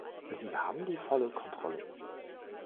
Sie haben die volle Kontrolle.